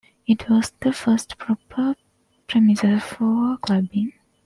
It was the first proper premises for clubbing.